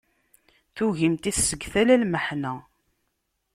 Tugimt-is seg tala n lmeḥna.